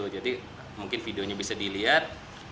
jadi mungkin videonya bisa dilihat